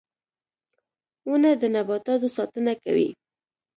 • ونه د نباتاتو ساتنه کوي.